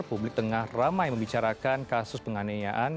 publik tengah ramai membicarakan kasus penganiayaan